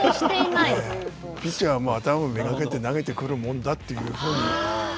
ピッチャーは頭を目がけて投げてくるもんだというふうに。